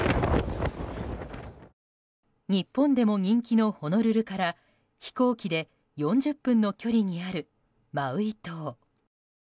日本でも人気のホノルルから飛行機で４０分の距離にあるマウイ島。